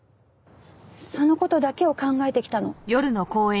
その事だけを考えてきたの。